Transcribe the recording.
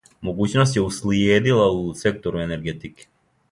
Могућност је услиједила у сектору енергетике.